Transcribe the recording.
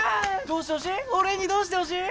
どうしてほしい？